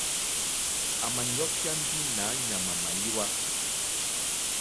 À mà ɲɔ́kyá ndí nǎ ɲàmà màlíwá.